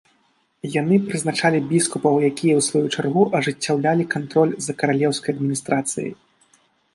Яны прызначалі біскупаў, якія, у сваю чаргу, ажыццяўлялі кантроль за каралеўскай адміністрацыяй.